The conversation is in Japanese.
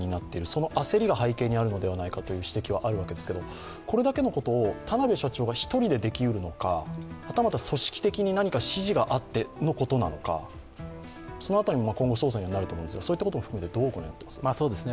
その焦りが背景にあるのではないかという指摘があるわけですけれども、これだけのことを田辺社長が１人でできるのか、はたまた組織的に何か指示があってのことなのか、その辺りも今後捜査になると思うんですが、どうご覧になりますか。